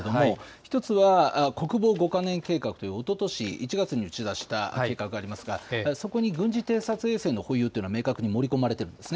１つは国防５か年計画というおととし１月に打ち出した計画がありますがそこに軍事偵察衛星の保有というのが明確に盛り込まれているんです。